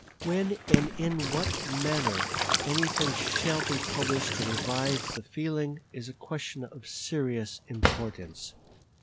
When and in what manner anything shall be published to revive the feeling, is a question of serious importance.